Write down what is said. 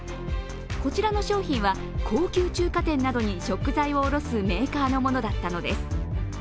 こちらの商品は高級中華店などに食材を卸すメーカーのものだったのです。